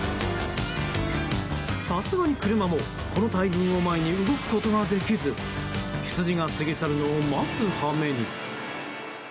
さすがに車もこの大群を前に動くことができずヒツジが過ぎ去るのを待つ羽目に。